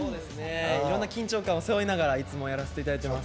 いろんな緊張感を背負いながらいつもやらせていただいています。